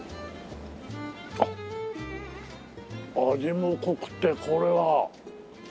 あっ味も濃くてこれは。